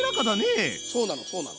そうなのそうなの。